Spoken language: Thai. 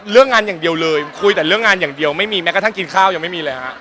เรื่องงานอย่างเดียวเลยคุยแต่เรื่องงานอย่างเดียวไม่มีแม้กระทั่งกินข้าวยังไม่มีเลยฮะ